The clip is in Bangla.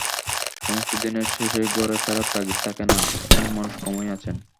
সমস্ত দিনের শেষে ঘরে ফেরার তাগিদ থাকে না, এমন মানুষ কমই আছেন।